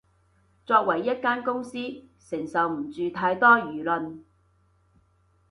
作為一間公司，承受唔住太多輿論